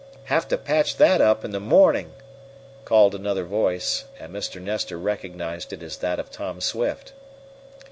"Have to patch that up in the morning," called another voice, and Mr. Nestor recognized it as that of Tom Swift.